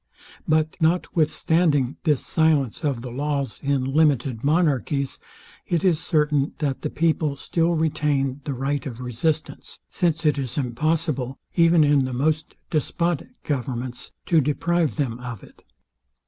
But notwithstanding this silence of the laws in limited monarchies, it is certain, that the people still retain the right of resistance; since it is impossible, even in the most despotic governments, to deprive them of it.